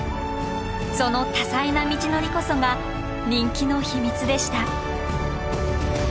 その多彩な道のりこそが人気の秘密でした。